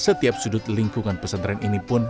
setiap sudut lingkungan pesantren ini pun